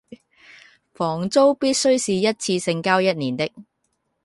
房租必須是一次性交一年的